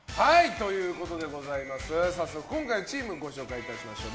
早速、今回のチームをご紹介しましょう。